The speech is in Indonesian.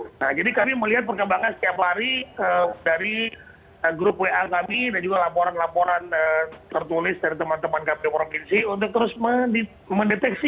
nah jadi kami melihat perkembangan setiap hari dari grup wa kami dan juga laporan laporan tertulis dari teman teman kpu provinsi untuk terus mendeteksi